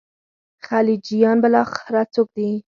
خلجیان بالاخره څوک دي.